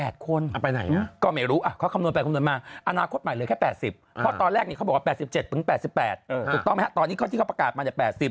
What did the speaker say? ตอนนี้ที่เขาประกาศมาจะ๘๐